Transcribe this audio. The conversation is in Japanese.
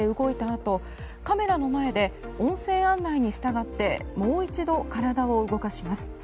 あとカメラの前で音声案内に従ってもう一度、体を動かします。